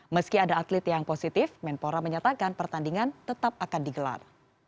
meski ada atlet yang positif menpora menyatakan pertandingan tetap akan digelar